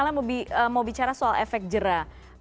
kalau misalnya mau bicara soal efek jera